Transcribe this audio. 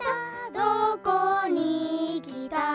「どこに来た」